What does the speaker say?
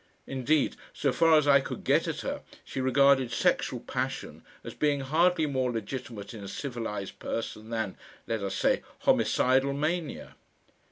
Indeed so far as I could get at her, she regarded sexual passion as being hardly more legitimate in a civilised person than let us say homicidal mania.